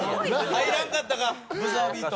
入らんかったかブザービート。